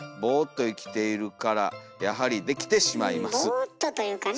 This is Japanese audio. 「ボーッと」というかね。